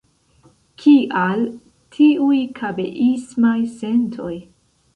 Kial tiuj kabeismaj sentoj?